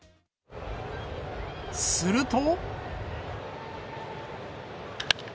すると。